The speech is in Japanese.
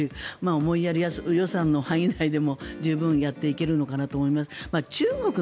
思いやり予算の範囲内でも十分やっていけるのかなと思います。